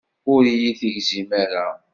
Ur iyi-tegzim ara.